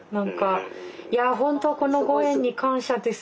いや本当このご縁に感謝です。